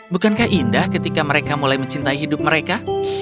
bukankah indah ketika mereka mulai mencintai hidup mereka